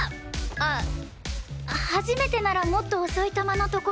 あ初めてならもっと遅い球の所で。